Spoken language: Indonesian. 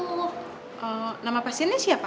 eh nama pasiennya siapa